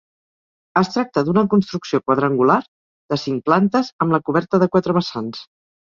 Es tracta d'una construcció quadrangular, de cinc plantes, amb la coberta de quatre vessants.